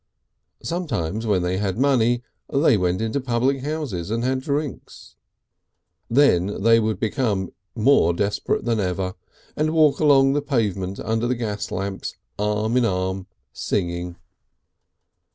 Sometimes, when they had money, they went into public houses and had drinks. Then they would become more desperate than ever, and walk along the pavement under the gas lamps arm in arm singing.